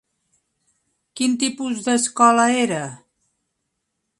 Quin tipus d'escola era?